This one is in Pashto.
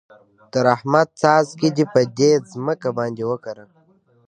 د رحمت څاڅکي دې په دې ځمکه باندې وکره.